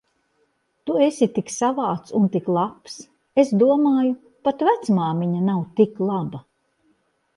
Tu esi tik savāds un tik labs. Es domāju, pat vecmāmiņa nav tik laba.